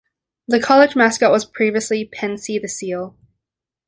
The college mascot was previously Pennsy the Seal.